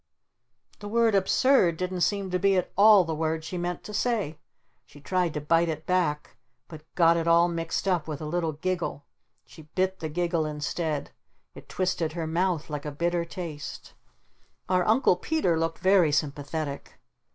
The word "absurd" didn't seem to be at all the word she meant to say. She tried to bite it back but got it all mixed up with a little giggle. She bit the giggle instead. It twisted her mouth like a bitter taste. Our Uncle Peter looked very sympathetic.